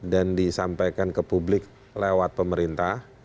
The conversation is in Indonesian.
dan disampaikan ke publik lewat pemerintah